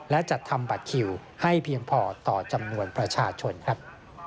และจัดทำบัตรคิวให้เพียงพอต่อจำนวนประชาชนครับ